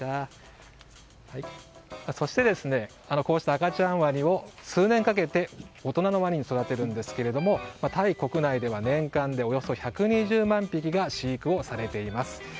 そして、赤ちゃんワニを数年かけて大人のワニに育てるんですがタイ国内では年間でおよそ１２０万匹が飼育をされています。